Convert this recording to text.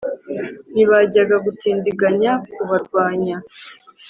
ntibajyaga gutindiganya kubarwanya.